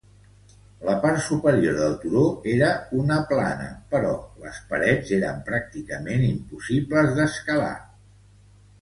La part superior del turó era una plana però les parets eren pràcticament impossibles d'escalar.